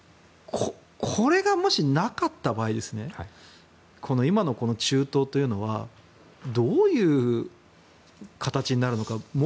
これがもしなかった場合今の中東というのはどういう形になるのか。